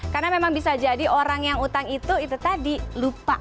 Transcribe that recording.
karena memang bisa jadi orang yang utang itu itu tadi lupa